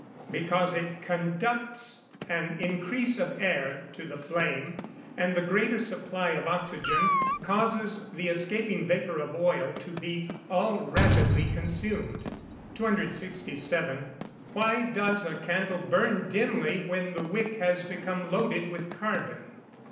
_ Because it conducts an increase of air to the flame, and the greater supply of oxygen causes the escaping vapour of oil to be all rapidly consumed. 267. _Why does a candle burn dimly when the wick has become loaded with carbon?